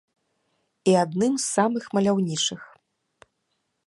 І адным з самых маляўнічых.